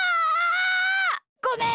ごめん！